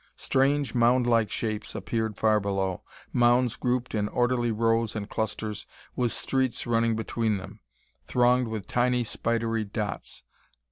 Strange, moundlike shapes appeared far below, mounds grouped in orderly rows and clusters, with streets running between them, thronged with tiny, spidery dots.